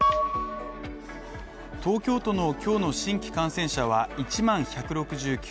東京都の今日の新規感染者は１万１６９人。